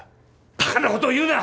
バカなことを言うな！